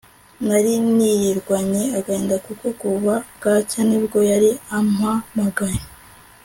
nari nirirwanye agahinda kuko kuva bwacya nibwo yari ampamagaye